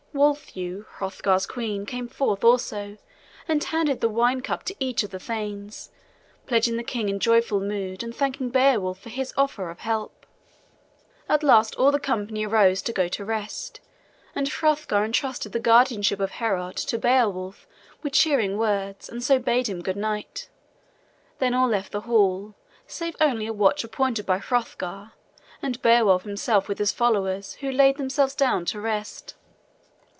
Waltheow, Hrothgar's queen, came forth also, and handed the wine cup to each of the thanes, pledging the king in joyful mood and thanking Beowulf for his offer of help. At last all the company arose to go to rest; and Hrothgar entrusted the guardianship of Heorot to Beowulf with cheering words, and so bade him good night. Then all left the hall, save only a watch appointed by Hrothgar, and Beowulf himself with his followers, who laid themselves down to rest.